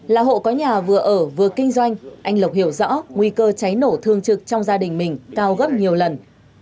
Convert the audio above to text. là hộ có nhà vừa ở vừa kinh doanh anh lộc hiểu rõ nguy cơ cháy nổ thương trực trong gia đình mình cao gấp nhiều lần